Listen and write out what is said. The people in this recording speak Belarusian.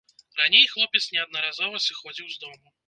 Раней хлопец неаднаразова сыходзіў з дому.